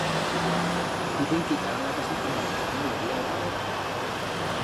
Dicen que itarán la casa por la ventana lo día de la voda.